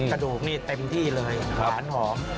กระดูกนี่เต็มที่เลยหวานหอม